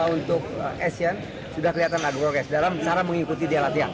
untuk asian sudah kelihatan adrokes dalam cara mengikuti dia latihan